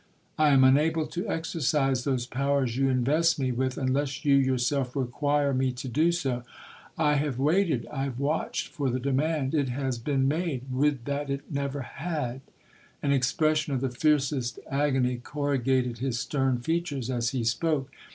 —I am unable to exercise those powers you invest me with, unless you yourself require me to do so. I have waited—I have watched for the demand—it has been made—would that it never had!' An expression of the fiercest agony corrugated his stern features as he spoke.